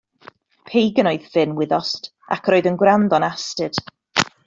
Pagan oedd Ffinn, wyddost, ac yr oedd yn gwrando'n astud.